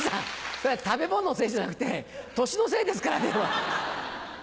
それは食べ物のせいじゃなくて年のせいですからね。